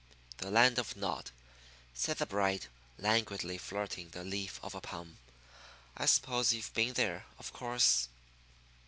"The Land of Nod," said the bride, languidly flirting the leaf of a palm. "I suppose you've been there, of course?"